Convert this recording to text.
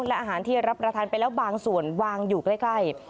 และอาหารที่รับประทานไปแล้วบางส่วนวางอยู่ใกล้